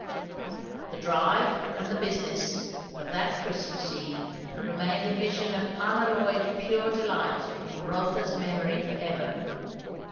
The drive, and the business, of that Christmas eve remained a vision of unalloyed pure delight in Rotha's memory for ever.